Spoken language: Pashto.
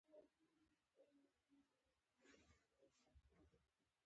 ځمکه د سرو زرو کان دی.